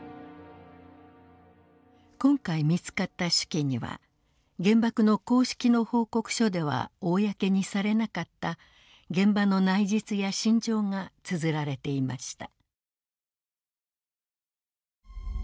今回見つかった手記には原爆の公式の報告書では公にされなかった現場の内実や心情がつづられていました。